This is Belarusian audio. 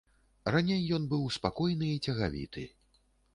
Раней ён быў спакойны і цягавіты.